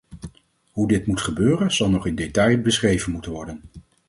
Hoe dit moet gebeuren zal nog in detail beschreven moeten worden.